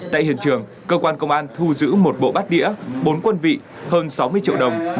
tại hiện trường cơ quan công an thu giữ một bộ bát đĩa bốn quân vị hơn sáu mươi triệu đồng